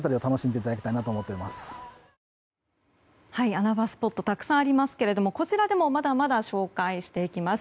穴場スポットたくさんありますけどこちらでもまだまだ紹介していきます。